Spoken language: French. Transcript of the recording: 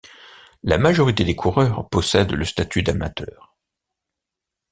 La majorité des coureurs possèdent le statut d'amateurs.